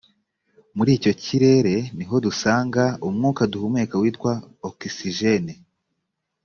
muri icyo kirere ni ho dusanga umwuka duhumeka witwa okisijene